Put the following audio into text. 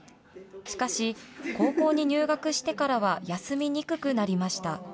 しかし、高校に入学してからは休みにくくなりました。